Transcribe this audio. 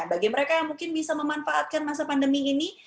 bagi mereka yang mungkin bisa memanfaatkan masa pandemi ini